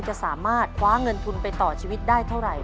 จะสามารถคว้าเงินทุนไปต่อชีวิตได้เท่าไหร่